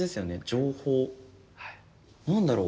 情報何だろう？